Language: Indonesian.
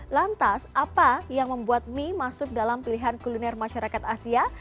lantas apa yang membuat mie masuk dalam pilihan kuliner masyarakat asia